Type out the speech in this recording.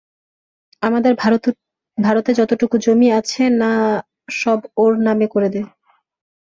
আমাদের ভারতে যতটুকু জমি আছে না সব ওর নামে করে দে।